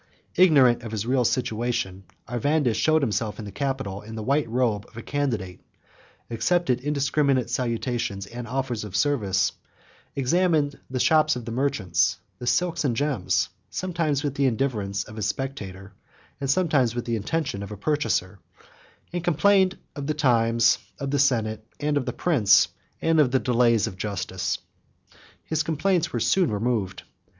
Ignorant of his real situation, Arvandus showed himself in the Capitol in the white robe of a candidate, accepted indiscriminate salutations and offers of service, examined the shops of the merchants, the silks and gems, sometimes with the indifference of a spectator, and sometimes with the attention of a purchaser; and complained of the times, of the senate, of the prince, and of the delays of justice. His complaints were soon removed.